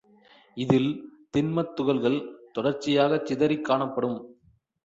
இதில் திண்மத் துகள்கள் தொடர்ச்சியாகச் சிதறிக் காணப்படும்.